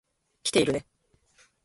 来ているね。